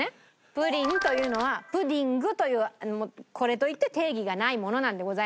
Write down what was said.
プリンというのはプディングというこれといって定義がないものなんでございます。